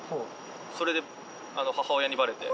それで母親にバレて。